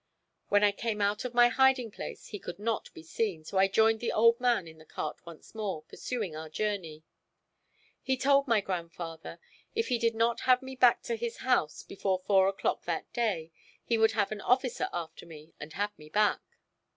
When I came out of my hiding place he could not be seen, so I joined the old man in the cart once more, pursuing our journey. He told my grandfather, "If he did not have me back to his house before four o'clock that day he would have an officer after me and have me back."